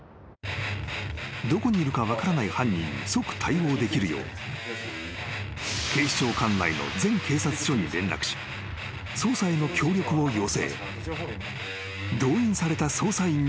［どこにいるか分からない犯人に即対応できるよう警視庁管内の全警察署に連絡し捜査への協力を要請］